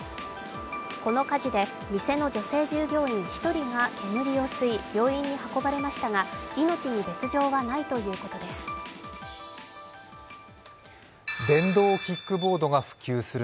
この火事で店の女性従業員１人が煙を吸い病院に運ばれましたが命に別状はないということです。